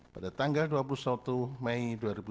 pada tanggal dua puluh satu mei dua ribu dua puluh